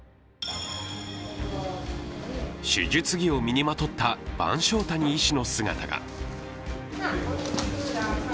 手術着を身にまとった番匠谷医師の姿が。